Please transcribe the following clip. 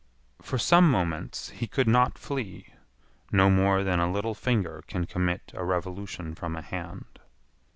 For some moments he could not flee no more than a little finger can commit a revolution from a hand.